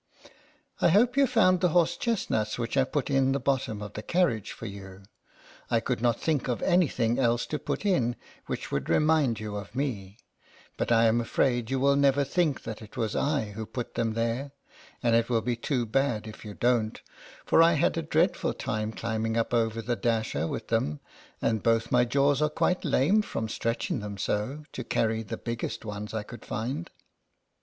I hope you found the horse chestnuts which I put in the bot tom of, the carriage for you. I could not think of any thing else to put in, which would remind you of me : but I am afraid you will never think that it was I who put them there, and it will be too bad if you don't, for I had a dreadful time climbing up over the dasher with them, and both my jaws are quite lame from stretching them so, to carry the biggest ones I could find.